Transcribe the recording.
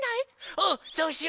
うんそうしよう！